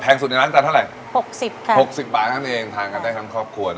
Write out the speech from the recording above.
แพงสุดในร้านจานเท่าไหร่หกสิบค่ะหกสิบบาทนั่นเองทานกันได้ทั้งครอบครัว